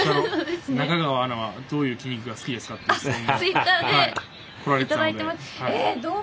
中川アナはどういう筋肉が好きですかって聞かれてて。